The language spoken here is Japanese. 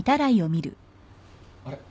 あれ？